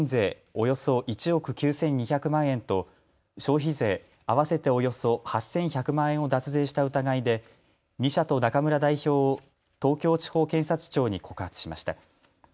およそ１億９２００万円と消費税合わせておよそ８１００万円を脱税した疑いで２社と中村代表を東京地方検察庁に告発しました。